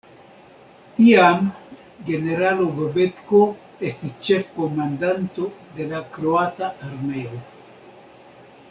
Tiam generalo Bobetko estis ĉefkomandanto de la kroata armeo.